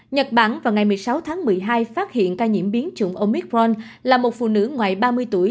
nhật bản vào ngày một mươi sáu tháng một mươi hai phát hiện ca nhiễm biến chủng omitron là một phụ nữ ngoài ba mươi tuổi